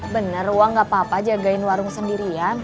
bener gua gak papa jagain warung sendirian